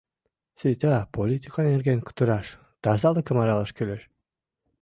Сита политика нерген кутыраш, тазалыкым аралаш кӱлеш.